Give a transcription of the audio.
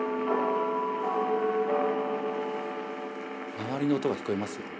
周りの音が聞こえますよ。